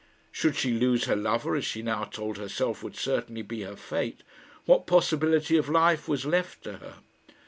Should she lose her lover, as she now told herself would certainly be her fate, what possibility of life was left to her?